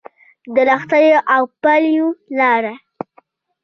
د لښتيو او پلیو لارو